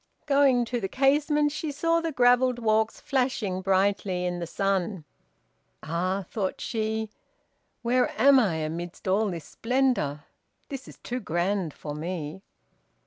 Going to the casement, she saw the gravelled walks flashing brightly in the sun. "Ah," thought she, "where am I amidst all this splendor? This is too grand for me!"